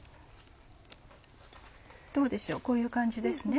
どうでしょうこういう感じですね。